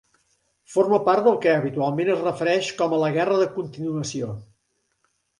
Forma part del que habitualment es refereix com la Guerra de Continuació.